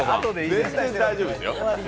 全然大丈夫ですよ。